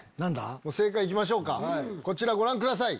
正解行きましょうかこちらご覧ください。